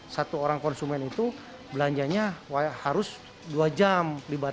satu orang konsumen itu belanjanya harus dua jam